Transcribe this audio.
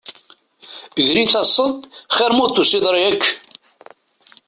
Gri taseḍ-d xir ma ur d-tusiḍ ara yakk.